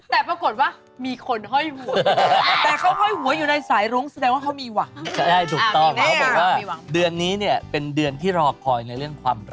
แต่คำอะไรรึไหมคุณผู้ชม